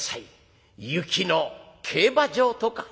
『雪の競馬場』とか」。